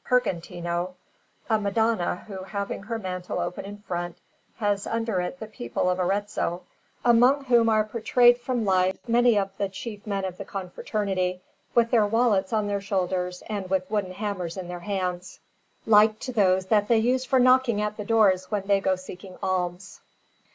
Pergentino, a Madonna who, having her mantle open in front, has under it the people of Arezzo, among whom are portrayed from life many of the chief men of the Confraternity, with their wallets on their shoulders and with wooden hammers in their hands, like to those that they use for knocking at the doors when they go seeking alms.